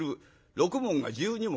６文が１２文。